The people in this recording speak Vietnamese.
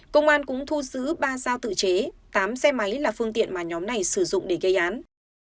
công an cũng thu giữ ba dao tự chế tám xe máy là phương tiện mà nhóm này sử dụng để gây án